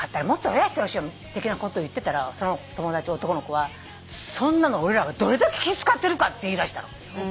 もっと増やしてほしいよ的なことを言ってたらその友達男の子は「そんなの俺らがどれだけ気使ってるか」って言いだしたの。